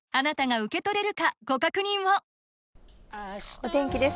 お天気です。